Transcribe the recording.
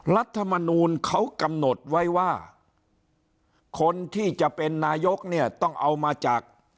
รัฐมนูลเขากำหนดไว้ว่าคนที่จะเป็นนายกเนี่ยต้องเอามาจาก